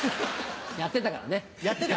やってたからね。